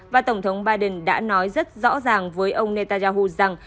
và tổng thống biden đã nói rất rõ ràng với ông netanyahu rằng